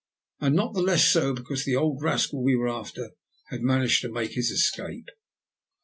And not the less so because the old rascal we were after had managed to make his escape."